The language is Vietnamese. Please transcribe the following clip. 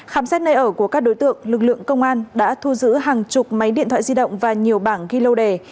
khám xét nơi ở của các đối tượng lực lượng công an đã thu giữ hàng chục máy điện thoại di động và nhiều bảng ghi lô đề